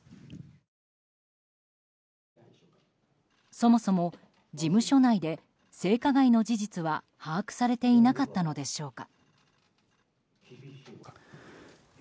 そもそも、事務所内で性加害の事実は把握されていなかったのでしょうか。